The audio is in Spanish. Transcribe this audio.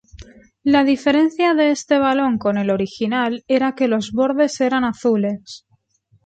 La diferencia de este balón con el original era que los bordes eran azules.